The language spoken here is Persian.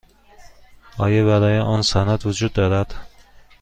آیا برای آن سند وجود دارد؟